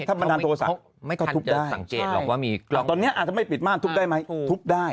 ถ้าบันดาลโทษะก็ทุบได้สังเกตหรอกว่าตอนนี้อาจจะไม่ปิดม่านทุบได้ไหมทุบได้